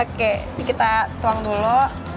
oke ini kita tuang dulu